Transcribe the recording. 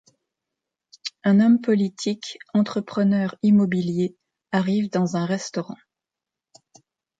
Un homme politique, entrepreneur immobilier, arrive dans un restaurant.